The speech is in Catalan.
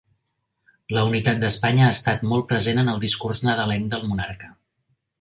La unitat d'Espanya ha estat molt present en el discurs nadalenc del monarca